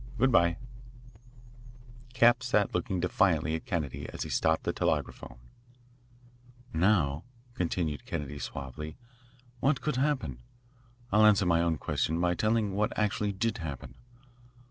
Good bye." Capps sat looking defiantly at Kennedy, as he stopped the telegraphone. "Now," continued Kennedy suavely, "what could happen? I'll answer my own question by telling what actually did happen.